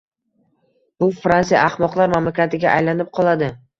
bu Fransiya ahmoqlar mamlakatiga aylanib qoladi».